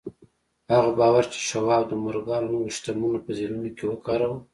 هغه باور چې شواب د مورګان او نورو شتمنو په ذهنونو کې وکاره.